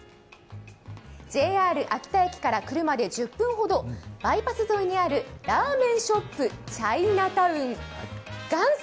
ＪＲ秋田駅から車で１０分ほどバイパス沿いにあるラーメンショップ・チャイナタウン元祖